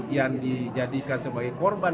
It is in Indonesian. yang dijadikan sebagai korban